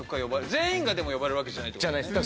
全員が呼ばれるわけじゃないって事だよね？